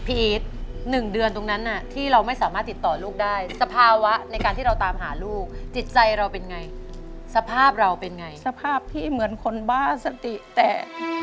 อีท๑เดือนตรงนั้นที่เราไม่สามารถติดต่อลูกได้สภาวะในการที่เราตามหาลูกจิตใจเราเป็นไงสภาพเราเป็นไงสภาพพี่เหมือนคนบ้าสติแตก